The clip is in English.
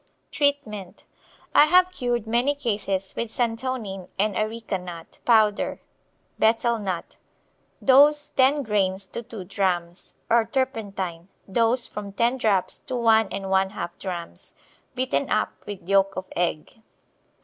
Treatment I have cured many cases with santonin and areca nut powder (betel nut), dose 10 grains to 2 drachms; or turpentine, dose from 10 drops to 1 1/2 drachms, beaten up with yolk of egg.